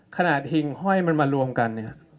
ขนาดหิงห้อยมันมารวมกัน